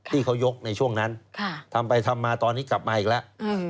ที่เขายกในช่วงนั้นทำไปทำมาตอนนี้กลับมาอีกแล้ว